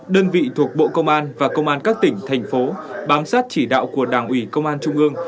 đơn vị thuộc bộ công an và công an các tỉnh thành phố bám sát chỉ đạo của đảng ủy công an trung ương